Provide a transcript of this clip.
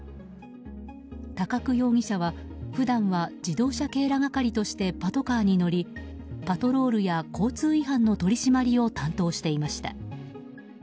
高久容疑者は普段は自動車警ら係としてパトカーに乗りパトロールや交通違反の取り締まりを担当していました。